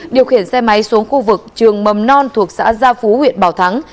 điều khiển xe máy xuống khu vực trường mầm non thuộc xã gia phú huyện bảo thắng